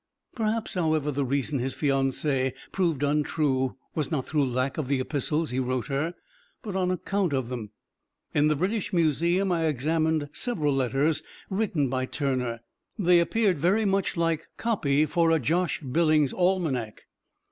Perhaps, however, the reason his fiancee proved untrue was not through lack of the epistles he wrote her, but on account of them. In the British Museum I examined several letters written by Turner. They appeared very much like copy for a Josh Billings Almanac.